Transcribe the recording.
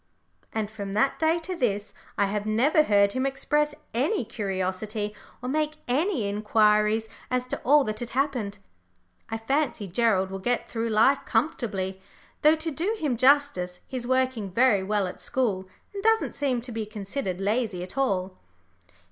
And from that day to this I have never heard him express any curiosity or make any inquiries as to all that had happened. I fancy Gerald will get through life comfortably though to do him justice he is working very well at school, and doesn't seem to be considered lazy at all.